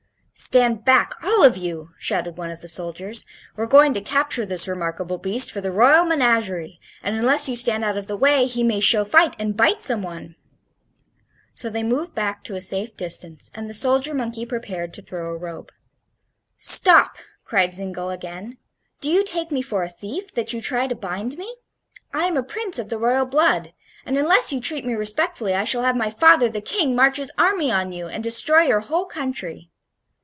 "Stand back, all of you!" shouted one of the soldiers. "We're going to capture this remarkable beast for the royal menagerie, and unless you stand out of the way he may show fight and bite some one." So they moved back to a safe distance, and the soldier monkey prepared to throw a rope. "Stop!" cried Zingle, again; "do you take me for a thief, that you try to bind me? I am a prince of the royal blood, and unless you treat me respectfully I shall have my father, the King, march his army on you and destroy your whole country."